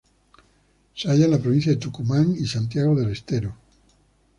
Se halla en la provincias de Tucumán y Santiago del Estero.